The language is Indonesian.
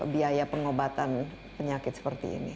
biaya pengobatan penyakit seperti ini